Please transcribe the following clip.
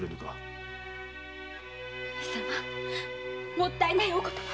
もったいないお言葉。